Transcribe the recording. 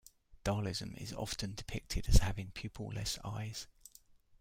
Dhalsim is often depicted as having pupil-less eyes.